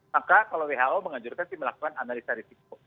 maka kalau who mengajurkan tim melakukan analisa risiko